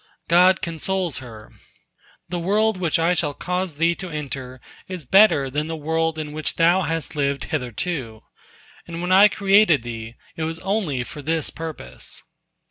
God consoles her: "The world which I shall cause thee to enter is better than the world in which thou hast lived hitherto, and when I created thee, it was only for this purpose."